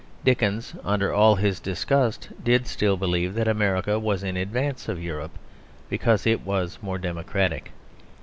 Dickens, under all his disgust, did still believe that America was in advance of Europe, because it was more democratic.